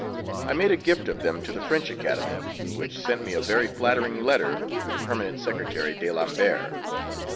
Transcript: I made a gift of them to the French Academy, which sent me a very flattering letter through the permanent secretary, d'Alembert.